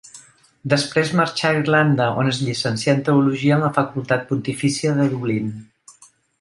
Després marxà a Irlanda, on es llicencià en Teologia en la Facultat Pontifícia de Dublín.